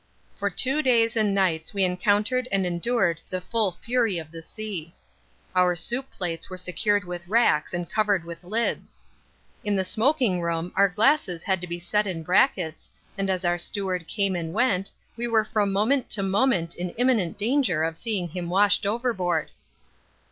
For two days and nights we encountered and endured the full fury of the sea. Our soup plates were secured with racks and covered with lids. In the smoking room our glasses had to be set in brackets, and as our steward came and went, we were from moment to moment in imminent danger of seeing him washed overboard.